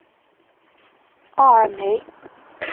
奥尔梅。